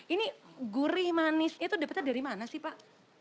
ini gurih manis itu dapatnya dari mana sih pak